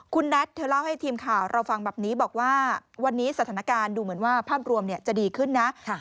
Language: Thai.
คุณนัทเธอเล่าให้ทีมข่าวเราฟังแบบนี้บอกว่าวันนี้สถานการณ์ดูเหมือนว่าภาพรวมจะดีขึ้นนะ